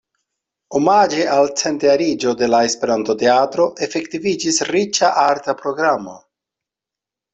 Omaĝe al centjariĝo de la Esperanto-teatro efektiviĝis riĉa arta programo.